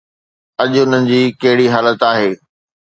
اڄ انهن جي ڪهڙي حالت آهي؟